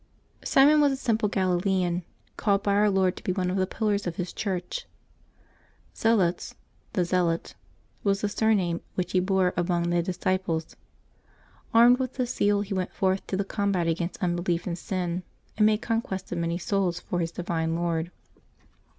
[iMOX was a simple Galilean, called by Our Lord to be one of the pillars of His Church. Zelotes, "the zealot," was the surname which he bore among the disci ples. Armed with this zeal he went forth to the combat against unbelief and sin, and made conquest of many souls for His divine Lord.